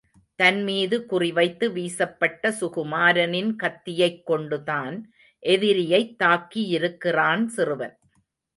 தன் மீது குறி வைத்து வீசப்பட்ட சுகுமாரனின் கத்தியைக் கொண்டுதான் எதிரியைத் தாக்கியிருக்கிறான் சிறுவன்.